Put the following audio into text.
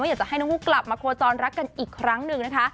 อยากจะให้ทั้งคู่กลับมาโคจรรักกันอีกครั้งหนึ่งนะคะ